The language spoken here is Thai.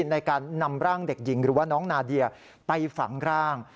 ในการนำร่างเด็กหญิงหรือว่าน้องนาเดียไปฝังร่าง